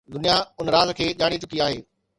دنيا ان راز کي ڄاڻي چڪي آهي.